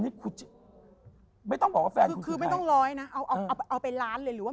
นี่คุณจะไม่ต้องบอกว่าแฟนคุณคือไม่ต้องร้อยนะเอาเอาไปล้านเลยหรือว่า